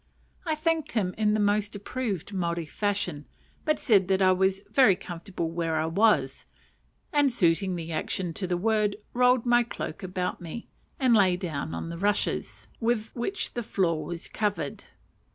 I thanked him in the most approved Maori fashion, but said I was "very comfortable where I was;" and, suiting the action to the word, rolled my cloak about me, and lay down on the rushes, with which the floor was covered.